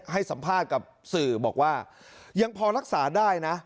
ให้สัมภาษณ์กับสื่อบอกว่ายังพอรักษาได้นะ